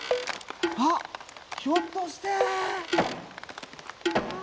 あっひょっとして。